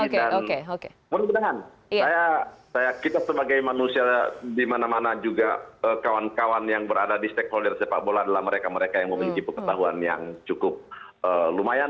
mudah mudahan kita sebagai manusia di mana mana juga kawan kawan yang berada di stakeholder sepak bola adalah mereka mereka yang memiliki pengetahuan yang cukup lumayan